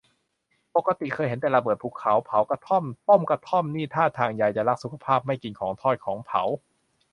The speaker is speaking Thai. ปกติเคยเห็นแต่ระเบิดภูเขา เผากระท่อม ต้มกระท่อมนี่ ท่าทางยายจะรักสุขภาพ ไม่กินของทอดของเผา